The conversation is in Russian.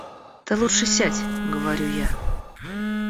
Ты лучше сядь, — говорю я.